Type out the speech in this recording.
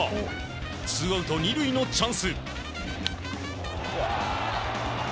ツーアウト２塁のチャンス。